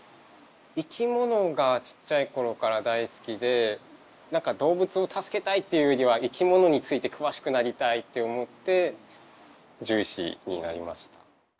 生き物がちっちゃい頃から大好きで何か動物を助けたい！っていうよりは生き物について詳しくなりたい！って思って獣医師になりました。